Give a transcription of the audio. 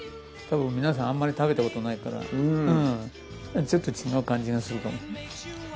たぶん皆さんあんまり食べたことないからちょっと違う感じがするかも。